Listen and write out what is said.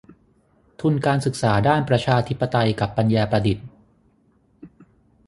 ทุนการศึกษาด้านประชาธิปไตยกับปัญญาประดิษฐ์